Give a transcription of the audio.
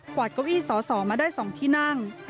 กวาดเก้าอี้สสมาได้สองที่นั่ง